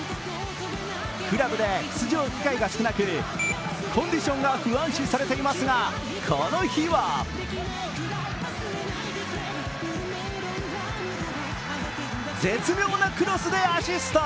クラブで出場機会が少なくコンディションが不安視されていますが、この日は絶妙なクロスでアシスト。